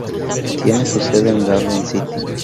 Tiene su sede en Garden City.